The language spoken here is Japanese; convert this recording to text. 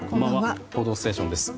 「報道ステーション」です。